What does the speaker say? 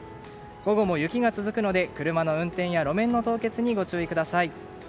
午後も雪が続くので車の運転や路面の凍結にご注意ください。